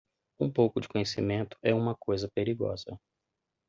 Um pouco de conhecimento é uma coisa perigosa.